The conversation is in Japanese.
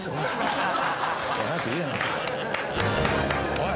おい。